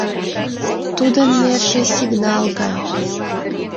Тудын нерже сигнал гай.